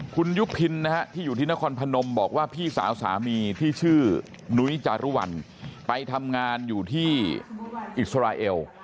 คุณยุพินนะฮะที่อยู่ที่นครพนมบอกว่าพี่สาวสามีที่ชื่อนุ้ยจารุวัลไปทำงานอยู่ที่อิสราเอล